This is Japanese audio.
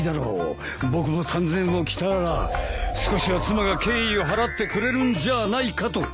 僕も丹前を着たら少しは妻が敬意を払ってくれるんじゃあないかと。